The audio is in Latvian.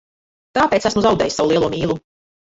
Tāpēc esmu zaudējis savu lielo mīlu.